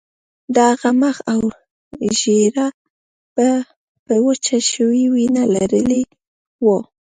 د هغه مخ او ږیره په وچه شوې وینه لړلي وو